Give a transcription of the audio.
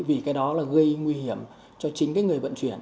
vì cái đó là gây nguy hiểm cho chính cái người vận chuyển